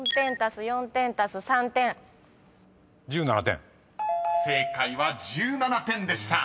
「１７点」［正解は「１７点」でした］